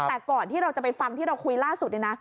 แต่ก่อนที่เราจะไปฟังที่เราคุยล่าสุดเนี่ยนะ